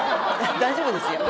大丈夫ですよ。